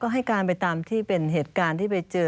ให้การไปตามที่เป็นเหตุการณ์ที่ไปเจอ